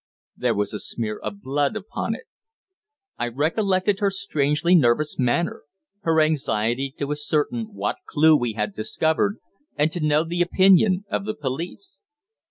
There was a smear of blood upon it. I recollected her strangely nervous manner, her anxiety to ascertain what clue we had discovered and to know the opinion of the police.